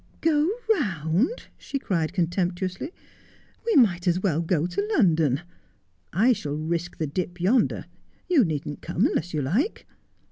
' Go round !' she cried contemptuously ;' we might as well go to London. I shall risk the dip yonder. You needn't come unless you like.